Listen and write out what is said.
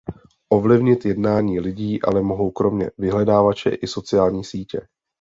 Ovlivnit jednání lidí ale mohou kromě vyhledávače i sociální sítě.